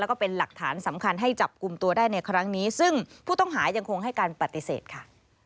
แล้วก็เป็นหลักฐานสำคัญให้จับกลุ่มตัวได้ในครั้งนี้ซึ่งผู้ต้องหายังคงให้การปฏิเสธค่ะ